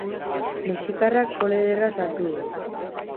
Mexikarrak gol ederra sartu du.